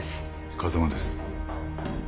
風間です。